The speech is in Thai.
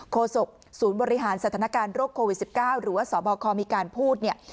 โศกศูนย์บริหารสถานการณ์โรคโควิด๑๙หรือว่าสบคมีการพูดเนี่ย